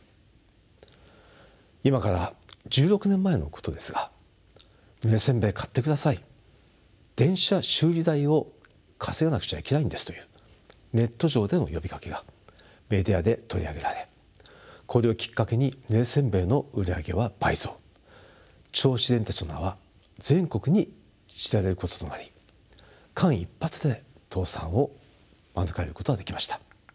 今から１６年前のことですが「ぬれ煎餅買ってください電車修理代を稼がなくちゃいけないんです」というネット上での呼びかけがメディアで取り上げられこれをきっかけにぬれ煎餅の売り上げは倍増銚子電鉄の名は全国に知られることとなり間一髪で倒産を免れることができました。